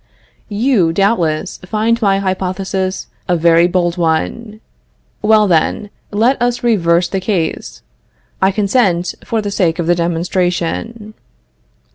You, doubtless, find my hypothesis a very bold one. Well, then, let us reverse the case. I consent for the sake of the demonstration.